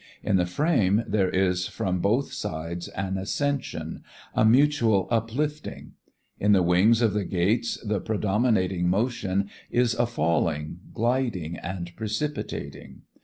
In the frame there is from both sides an ascension, a mutual uplifting; in the wings of the gates the predominating motion is a falling, gliding and precipitating.